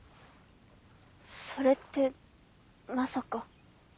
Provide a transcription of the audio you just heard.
それってまさか。